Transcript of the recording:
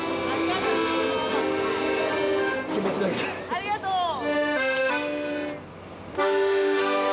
ありがとう。